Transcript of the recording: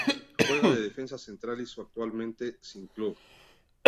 Juega de defensa central y su actualmente sin club.